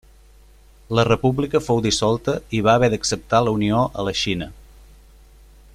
La república fou dissolta i va haver d'acceptar la unió a la Xina.